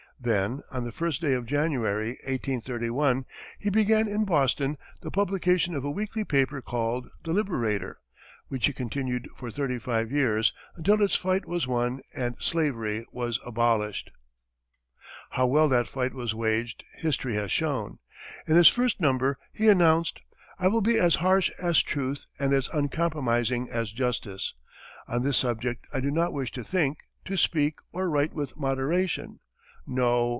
Then, on the first day of January, 1831, he began in Boston the publication of a weekly paper called the "Liberator," which he continued for thirty five years, until its fight was won and slavery was abolished. How well that fight was waged history has shown. In his first number he announced: "I will be as harsh as truth and as uncompromising as justice. On this subject I do not wish to think, to speak, or write with moderation. No!